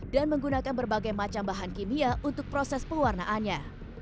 dan menggunakan berbagai macam bahan kimia untuk proses pewarnaannya